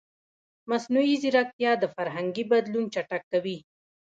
مصنوعي ځیرکتیا د فرهنګي بدلون چټکوي.